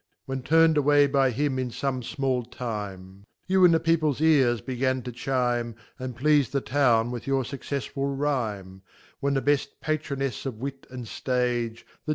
When tuvn'd away by him in fome fmall time) You in thVPeqples ears began to chime, And pleafe the Town with your fuccefsfulRime. When the beft Patronefc of Wit and Stage, The.